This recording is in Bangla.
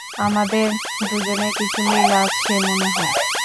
আমাদের দুজনের কিছু মিল আছে মনে হয়।